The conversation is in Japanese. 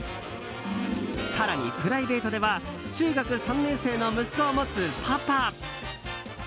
更にプライベートでは中学３年生の息子を持つパパ。